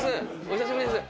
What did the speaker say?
お久しぶりです。